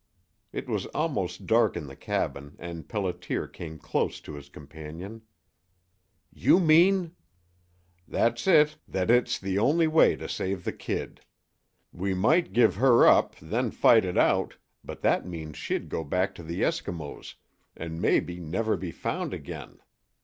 It was almost dark in the cabin, and Pelliter came close to his companion. "You mean " "That it's the only way to save the kid. We might give her up, then fight it out, but that means she'd go back to the Eskimos, 'n' mebbe never be found again.